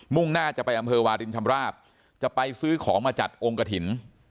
่งหน้าจะไปอำเภอวาลินชำราบจะไปซื้อของมาจัดองค์กระถิ่น